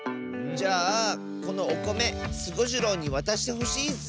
じゃあこのおこめスゴジロウにわたしてほしいッス！